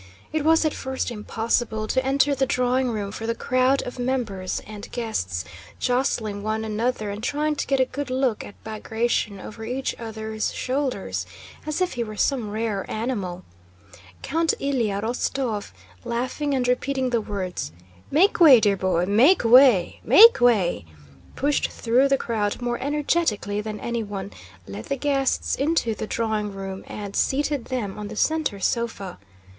It was at first impossible to enter the drawing room door for the crowd of members and guests jostling one another and trying to get a good look at Bagratión over each other's shoulders, as if he were some rare animal. Count Ilyá Rostóv, laughing and repeating the words, "Make way, dear boy! Make way, make way!" pushed through the crowd more energetically than anyone, led the guests into the drawing room, and seated them on the center sofa.